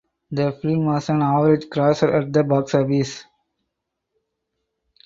The film was an average grosser at the box office.